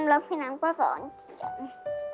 แล้วพี่น้ำก็สอนเขียน